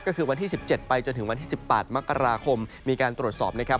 ก็คือวันที่สิบเจ็ดไปจนถึงวันที่สิบปาทมกราคมมีการตรวจสอบนะครับ